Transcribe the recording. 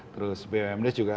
terus bumd juga